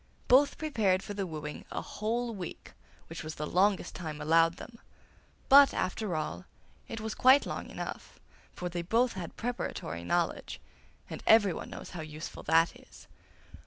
Both prepared for the wooing a whole week, which was the longest time allowed them; but, after all, it was quite long enough, for they both had preparatory knowledge, and everyone knows how useful that is.